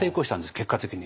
結果的に。